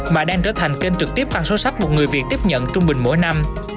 mà đang trở thành kênh trực tiếp tăng số sách mà người việt tiếp nhận trung bình mỗi năm